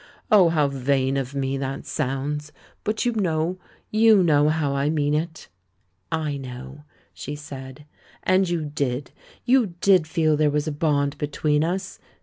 Oh, how vain of me that sounds ! But you loiow — you know how I mean it!" 'I know," she said. 'And you did — you did feel there was a bond between us?